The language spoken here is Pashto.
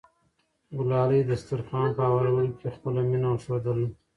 ګلالۍ د دسترخوان په هوارولو کې خپله مینه ښودله.